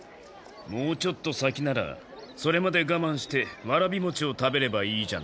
もうちょっと先ならそれまでがまんしてわらび餅を食べればいいじゃないか。